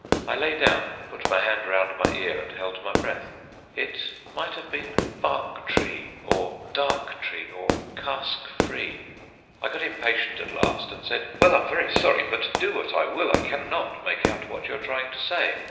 I lay down, put my hand round my ear and held my breath. It might have been bark tree or dark tree or cask free. I got impatient at last and said: "Well, I'm very sorry, but do what I will I cannot make out what you are trying to say."